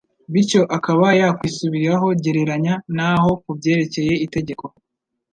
bityo akaba yakwisubiraho Gereranya Naho ku byerekeye itegeko